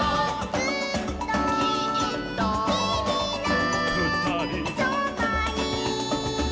「ずっと」「きっと」「きみの」「ふたり」「そばに」